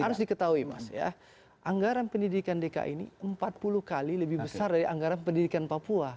dan harus diketahui mas ya anggaran pendidikan dki ini empat puluh kali lebih besar dari anggaran pendidikan papua